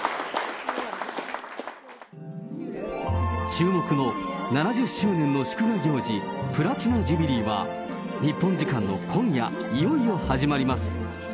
注目の７０周年の祝賀行事、プラチナ・ジュビリーは、日本時間の今夜、いよいよ始まります。